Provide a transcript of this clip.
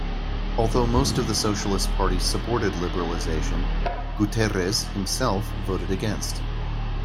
Although most of the Socialist Party supported liberalization, Guterres himself voted against.